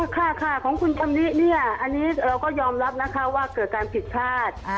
ของคุณชำนี้เนี่ยเราก็ยอมรับนะคะว่าเกิดการผิดพลาด